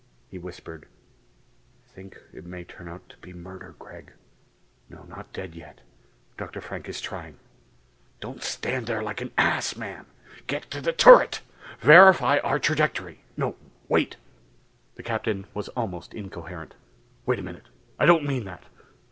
He whispered, "I think it may turn out to be murder, Gregg! No, not dead yet.... Dr. Frank is trying ... don't stand there like an ass, man. Get to the turret! Verify our trajectory no wait...." The Captain was almost incoherent. "Wait a minute. I don't mean that!